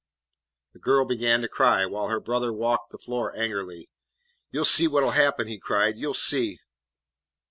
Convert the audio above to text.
The girl began to cry, while her brother walked the floor angrily. "You 'll see what 'll happen," he cried; "you 'll see."